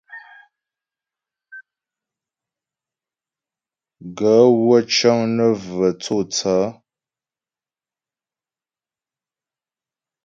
Gaə̌ wə́ cə́ŋ nə́ və tsô tsaə̌.